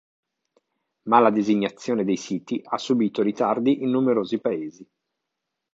Ma la designazione dei siti ha subito ritardi in numerosi paesi.